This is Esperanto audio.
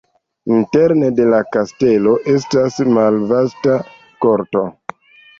Interne de la kastelo estas malvasta korto.